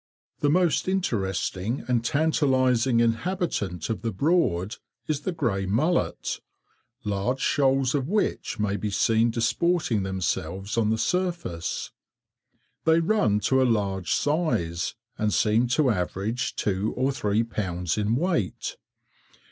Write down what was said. The most interesting and tantalizing inhabitant of the Broad is the grey mullet, large shoals of which may be seen disporting themselves on the surface. They run to a large size, and seem to average two or three pounds in weight.